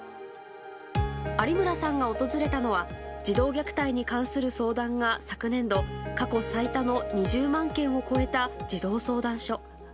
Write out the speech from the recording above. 有村さんが訪れたのは児童虐待に関する相談が昨年度、過去最多の２０万件を超えた児童相談所。